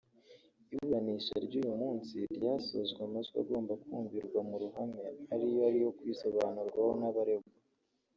Iburanisha ry’uyu munsi ryasojwe amajwi agomba kumvirwa mu ruhame ariyo ari kwisobanurwaho n’abaregwa